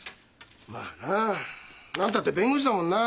まあなあ何たって弁護士だもんな。